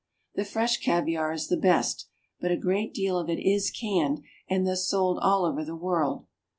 The fresh caviar is the best, but a great deal of it is canned, and thus sold all over the world.